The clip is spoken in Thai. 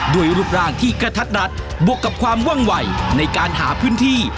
รูปร่างที่กระทัดรัดบวกกับความว่องวัยในการหาพื้นที่